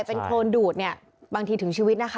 เป็นโครนดูดเนี่ยบางทีถึงชีวิตนะคะ